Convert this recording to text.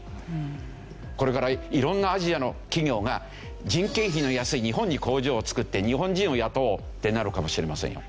これから色んなアジアの企業が人件費の安い日本に工場を作って日本人を雇おうってなるかもしれませんよ。